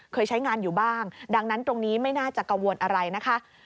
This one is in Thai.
เคยใช้งานอยู่บ้างดังนั้นตรงนี้ไม่น่าจะกังวลอะไรนะคะ